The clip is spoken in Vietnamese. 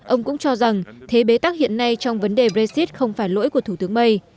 ông cũng cho rằng thế bế tắc hiện nay trong vấn đề brexit không phải lỗi của thủ tướng may